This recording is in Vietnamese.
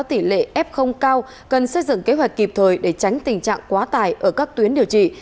tỷ lệ f cao cần xây dựng kế hoạch kịp thời để tránh tình trạng quá tải ở các tuyến điều trị